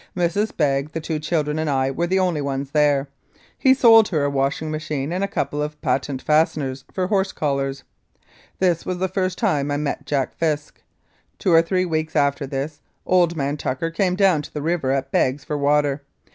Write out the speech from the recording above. Mrs. Begg, the two children and I were the only ones there; he sold her a washing machine and a couple of patent fasteners for horse collars. This was the first time I met Jack Fisk. Two or three weeks after this old man Tucker came down to the river at Begg's for water.